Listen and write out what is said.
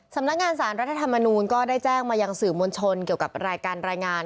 สำนักงานสารรัฐธรรมนูลก็ได้แจ้งมายังสื่อมวลชนเกี่ยวกับรายการรายงาน